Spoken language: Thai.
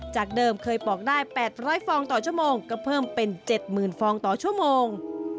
จากเดิมเคยปอกได้๘๐๐ฟองต่อชั่วโมงก็เพิ่มเป็น๗๐๐ฟองต่อชั่วโมง